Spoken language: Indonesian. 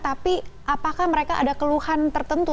tapi apakah mereka ada keluhan tertentu